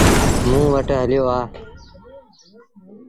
موݩ وٽ هليو آ۔